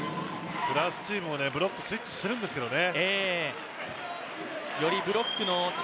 フランスチームもブロックスイッチしているんですよね。